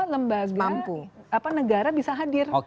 negara bisa hadir untuk